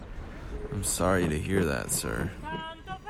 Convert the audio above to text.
I am sorry to hear that, sir.